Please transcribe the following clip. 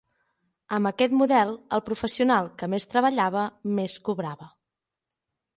Amb aquest model el professional que més treballava, més cobrava.